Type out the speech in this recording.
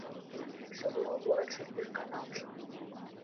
Усё было горача і пераканаўча.